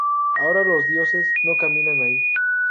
Ahora los dioses no caminan ahí.